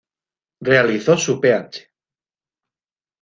Realizó su Ph.